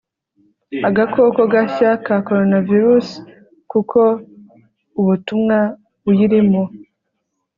agakoko gashya ka coronavirus kuko ubutumwa buyirimo